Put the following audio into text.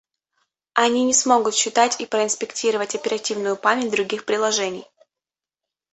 Они не смогут считать и проинспектировать оперативную память других приложений